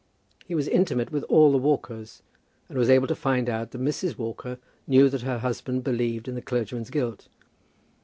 He was intimate with all the Walkers, and was able to find out that Mrs. Walker knew that her husband believed in the clergyman's guilt.